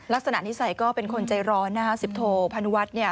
ลักษณะนิสัยก็เป็นคนใจร้อนนะฮะสิบโทพานุวัฒน์เนี่ย